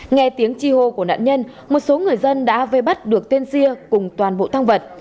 nghe tiếng chi hô của nạn nhân một số người dân đã vây bắt được tên xia cùng toàn bộ thăng vật